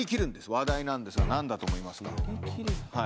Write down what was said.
話題なんですが何だと思いますか？